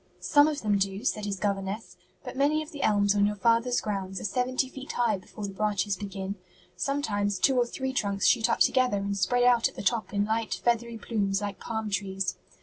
"Some of them do," said his governess, "but many of the elms on your father's grounds are seventy feet high before the branches begin. Sometimes two or three trunks shoot up together and spread out at the top in light, feathery plumes like palm trees.